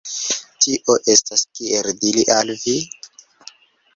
Tio estas, kiel diri al vi?